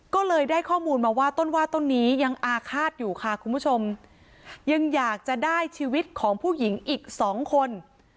ก็เลยได้ข้อมูลมาว่าต้นว่าต้นนี้ยังอาฆาตอยู่ค่ะคุณผู้ชมยังอยากจะได้ชีวิตของผู้หญิงอีกสองคน